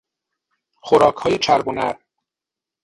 خوراکهای چرب و نرم